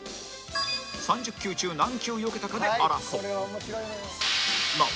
３０球中何球よけたかで争う